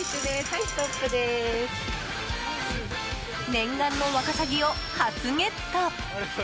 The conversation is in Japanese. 念願のワカサギを初ゲット！